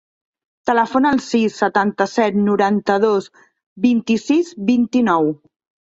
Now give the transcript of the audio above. Telefona al sis, setanta-set, noranta-dos, vint-i-sis, vint-i-nou.